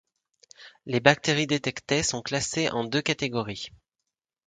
Les bactéries détectées sont classées en deux catégories.